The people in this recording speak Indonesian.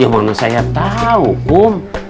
ya mana saya tahu kum